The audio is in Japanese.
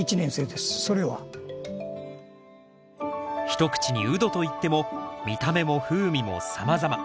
一口にウドといっても見た目も風味もさまざま。